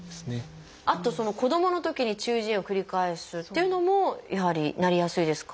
あと「子どものときに中耳炎を繰り返す」っていうのもやはりなりやすいですか？